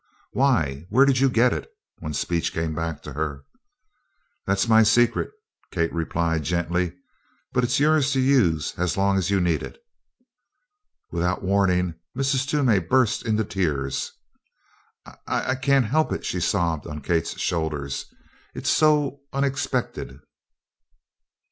"Why! Where did you get it?" when speech came back to her. "That's my secret," Kate replied, gently. "But it's yours to use as long as you need it." Without warning, Mrs. Toomey burst into tears. "I c can't help it!" she sobbed on Kate's shoulder. "It's so unexpected."